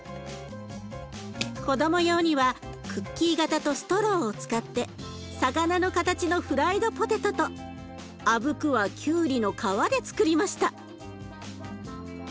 子ども用にはクッキー型とストローを使って魚の形のフライドポテトとあぶくはきゅうりの皮でつくりました。